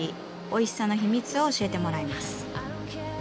おいしさの秘密を教えてもらいます。